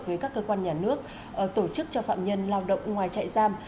với các cơ quan nhà nước tổ chức cho phạm nhân lao động ngoài chạy giam